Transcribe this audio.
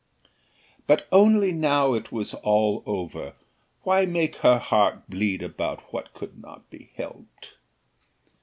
"But only now it was all over, why make her heart bleed about what could not be helped?"